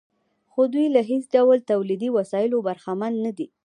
خو دوی له هېڅ ډول تولیدي وسایلو برخمن نه دي